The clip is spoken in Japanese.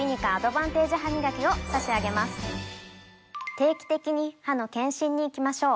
定期的に歯の健診に行きましょう。